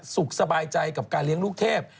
สุขสบายใจกับการเลี้ยงลูกเทพ